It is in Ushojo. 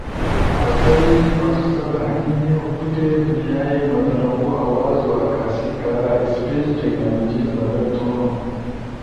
۔ آسئی مقصد ہنی بوٹی دُونئیائی متنوع آوازو عکاسی کارا اسپیچ ٹیکنالوجی مدد تھونو۔